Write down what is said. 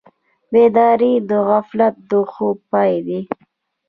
بیداري د غفلت د خوب پای دی.